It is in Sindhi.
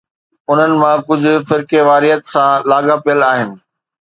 انهن مان ڪجهه فرقيواريت سان لاڳاپيل آهن.